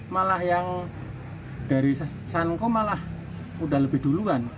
malah yang dari sanko malah udah lebih duluan